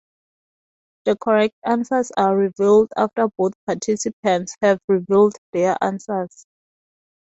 The correct answers are revealed after both participants have revealed their answers.